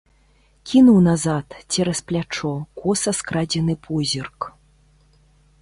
Кінуў назад, цераз плячо, коса скрадзены позірк.